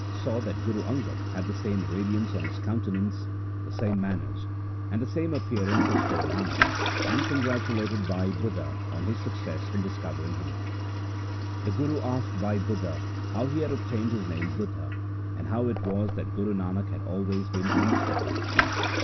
14 THE SIKH RELIGION The other Sikhs saw that Guru Angad had the same radiance on his countenance, the same manners, and the same appearance as Guru Nanak, and congratulated Bhai Budha on his success in dis covering him. The Guru asked Bhai Budha how he had obtained his name Budha, and how it was that Guru Nanak had been always pleased with him.